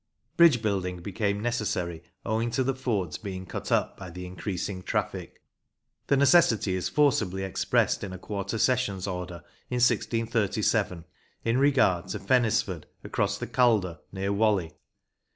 Bridge building became necessary owing to the fords being cut up by the increasing traffic. The necessity is forcibly expressed in a Quarter Sessions order in 1637 in regard to Fenysford across the C alder near Whalley.